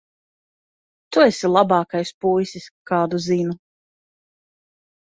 Tu esi labākais puisis, kādu zinu.